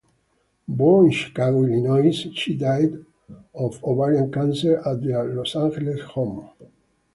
Born in Chicago, Illinois, she died of ovarian cancer at their Los Angeles home.